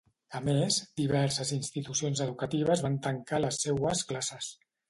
A més, diverses institucions educatives van tancar les seues classes.